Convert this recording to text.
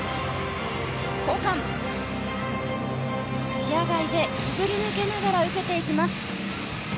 視野外でくぐり抜けながら受けていきます。